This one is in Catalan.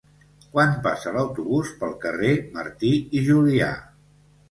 Quan passa l'autobús pel carrer Martí i Julià?